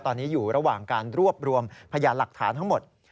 ตอนนี้อยู่ระหว่างการรวบรวมพยานหลักฐานทั้งหมด